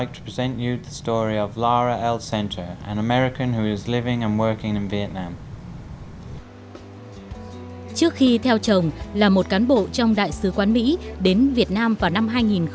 trước khi theo chồng là một cán bộ trong đại sứ quán mỹ đến việt nam vào năm hai nghìn một mươi